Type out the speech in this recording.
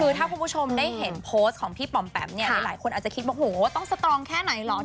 คือถ้าคุณผู้ชมได้เห็นโพสต์ของพี่ปอมแปมเนี่ยหลายคนอาจจะคิดว่าโหต้องสตรองแค่ไหนเหรอ